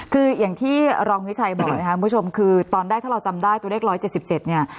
คืออย่างที่รองวิชัยบอกนะครับคุณผู้ชมคือตอนแรกถ้าเราจำได้ตัวเลข๑๗๗เนี่ย